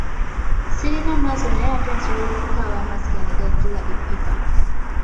Sirina maaso naye ate nsobola okukaaba amaziga ne gajjuza eppipa.